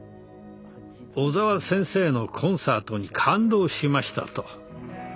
「小澤先生のコンサートに感動しました」と。